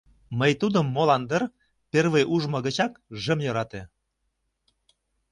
Мый тудым, молан дыр, первый ужмо гычак шым йӧрате.